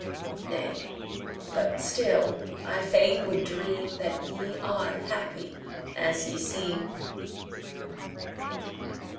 Nay but still I fain would dream That ye are happy as ye seem.